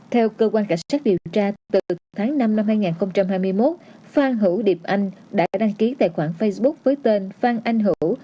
theo cơ quan cảnh sát điều tra từ tháng năm năm hai nghìn hai mươi một phan hữu điệp anh đã đăng ký tài khoản facebook với tên phan anh hữu